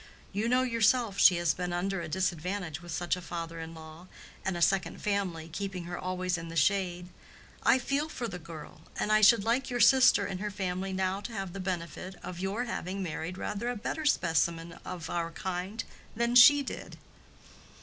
You know yourself she has been under a disadvantage with such a father in law, and a second family, keeping her always in the shade. I feel for the girl, And I should like your sister and her family now to have the benefit of your having married rather a better specimen of our kind than she did."